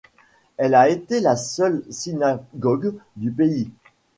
Elle a été la seule synagogue du pays.